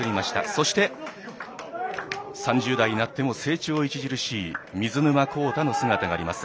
そして、３０代になっても成長著しい水沼宏太の姿があります。